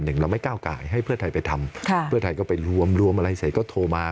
เราไม่ก้าวกายให้เพื่อไทยไปทำเพื่อไทยก็ไปรวมรวมอะไรเสร็จก็โทรมา